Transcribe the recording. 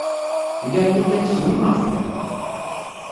Lliɣ yakan ttxemmimeɣ fell-am.